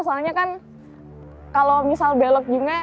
soalnya kan kalau misal belok juga